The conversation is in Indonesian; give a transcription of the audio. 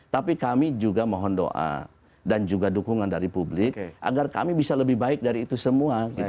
tapi kami juga mohon doa dan juga dukungan dari publik agar kami bisa lebih baik dari itu semua